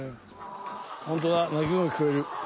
ホントだ鳴き声が聞こえる。